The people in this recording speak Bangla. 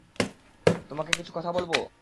তোমাকে কিছু কথা বলব?